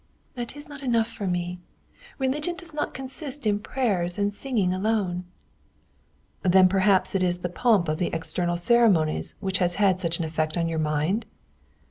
"That is not enough for me. Religion does not consist in prayers and singing alone." "Then perhaps it is the pomp of the external ceremonies which has such an effect on your mind?"